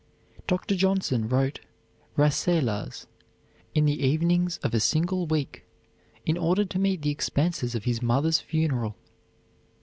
Dr. Johnson wrote "Rasselas" in the evenings of a single week, in order to meet the expenses of his mother's funeral.